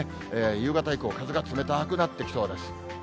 夕方以降、風が冷たくなってきそうです。